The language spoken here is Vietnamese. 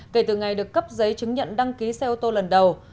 kể từ ngày được cấp giấy chứng nhận đăng ký xe ô tô lần đầu